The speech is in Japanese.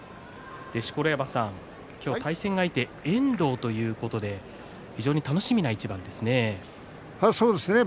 錣山さん、今日対戦相手遠藤ということで非常に楽しみな一番ですね。